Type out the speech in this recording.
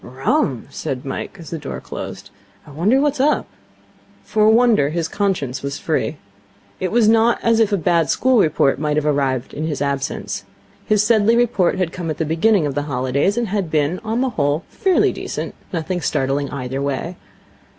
'Rum,' said Mike, as the door closed. 'I wonder what's up?' For a wonder his conscience was free. It was not as if a bad school report might have arrived in his absence. His Sedleigh report had come at the beginning of the holidays, and had been, on the whole, fairly decent nothing startling either way.